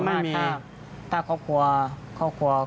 ไม่มีถ้าครอบครัว